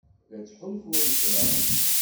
La ttḥulfuɣ i kra.